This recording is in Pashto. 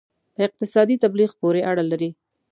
په اقتصادي تبلیغ پورې اړه لري.